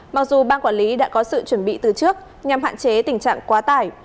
mặc dù ban quản lý đã có sự chuẩn bị từ trước nhằm hạn chế tình trạng quá tải